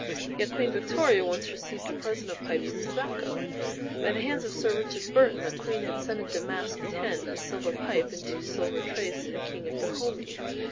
Yet Queen Victoria once received a present of pipes and tobacco. By the hands of Sir Richard Burton the Queen had sent a damask tent, a silver pipe, and two silver trays to the King of Dahomey.